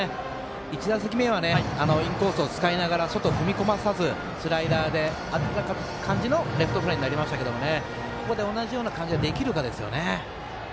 １打席目はインコースを使いながら外、踏み込まさせずスライダーでレフトフライになりましたけどここで同じような感じにできるかですよね。